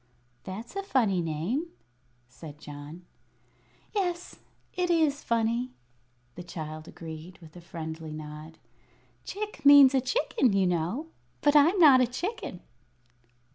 "That's a funny name," said John. "Yes, it is funny," the child agreed, with a friendly nod. "Chick means a chicken, you know. But I'm not a chicken."